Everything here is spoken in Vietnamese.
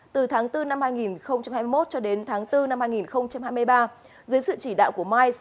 từ tháng bốn năm hai nghìn hai mươi một cho đến tháng bốn năm hai nghìn hai mươi ba dưới sự chỉ đạo của mai